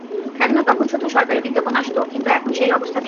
কেননা, তখন শুধু সরকারি বিজ্ঞাপন আসত, কিন্তু এখন সেই অবস্থা নেই।